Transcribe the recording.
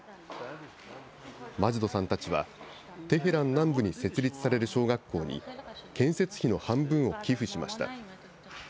マジドさんたちは、テヘラン南部に設立される小学校に、建設費の半分を寄付しました。